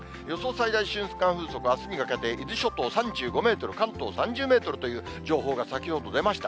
最大瞬間風速、あすにかけて伊豆諸島３５メートル、関東３０メートルという情報が先ほど出ました。